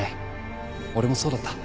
俺もそうだった。